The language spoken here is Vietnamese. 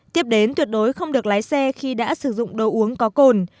tiếp đến tuyệt đối không được lái xe khi đã sử dụng đồ uống có cồn